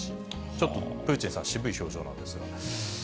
ちょっとプーチンさん、渋い表情なんですが。